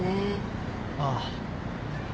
ああ